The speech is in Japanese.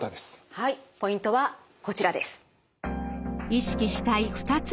はいポイントはこちらです。